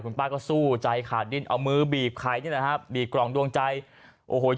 คุณป้าก็สู้ใจขาดดิ้นเอามือบีบไข่นี่แหละครับบีบกล่องดวงใจโอ้โห